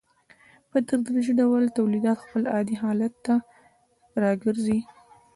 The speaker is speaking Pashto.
په تدریجي ډول تولیدات خپل عادي حالت ته راګرځي